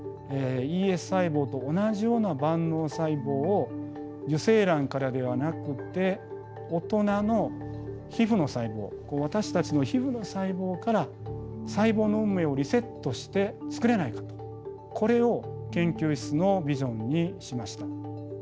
ＥＳ細胞と同じような万能細胞を受精卵からではなくて大人の皮ふの細胞私たちの皮ふの細胞から細胞の運命をリセットしてつくれないかとこれを研究室のビジョンにしました。